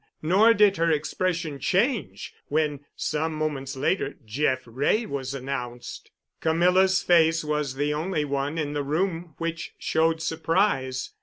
Nor did her expression change when, some moments later, Jeff Wray was announced. Camilla's face was the only one in the room which showed surprise.